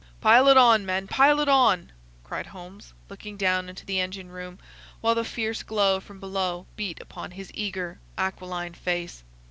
"Pile it on, men, pile it on!" cried Holmes, looking down into the engine room, while the fierce glow from below beat upon his eager, aquiline face.